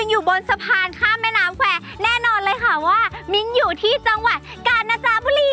อยู่บนสะพานข้ามแม่น้ำแควร์แน่นอนเลยค่ะว่ามิ้นอยู่ที่จังหวัดกาญจ้าบุรี